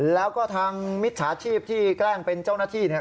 แล้วก็ทางมิจฉาชีพที่แกล้งเป็นเจ้าหน้าที่เนี่ย